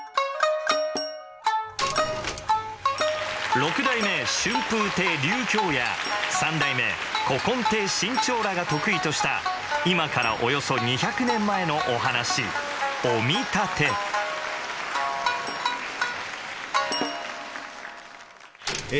六代目春風亭柳橋や三代目古今亭志ん朝らが得意とした今からおよそ２００年前のお噺「お見立て」え